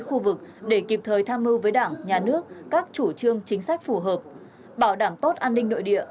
khu vực để kịp thời tham mưu với đảng nhà nước các chủ trương chính sách phù hợp bảo đảm tốt an ninh nội địa